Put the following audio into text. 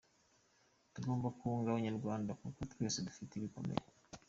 Tugomba kwunga abanyarwanda kuko twese dufite ibikomere.